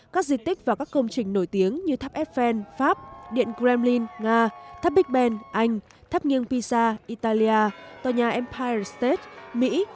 các di tích và các công trình nổi tiếng như tháp eiffel pháp điện kremlin nga tháp big ben anh tháp nghiêng pisa italia tòa nhà empire state mỹ